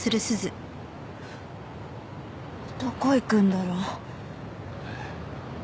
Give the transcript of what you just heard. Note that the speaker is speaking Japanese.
どこ行くんだろう。